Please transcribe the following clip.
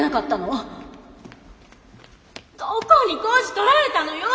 どこに工事とられたのよ！